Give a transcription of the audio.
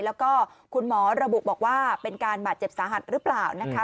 แล้วก็คุณหมอระบุบอกว่าเป็นการบาดเจ็บสาหัสหรือเปล่านะคะ